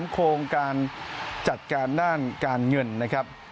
โครงการจัดการด้านการเงินนะครับ